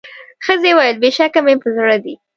ښځي وویل بېشکه مي په زړه دي